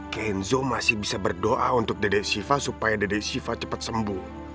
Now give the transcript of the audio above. kenzo masih bisa berdoa untuk dede siva supaya dede siva cepat sembuh